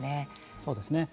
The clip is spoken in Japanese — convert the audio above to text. そうですね。